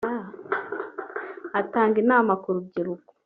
atanga inama ku rubyiruko